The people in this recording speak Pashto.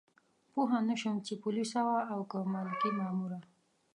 پوه نه شوم چې پولیسه وه که ملکي ماموره.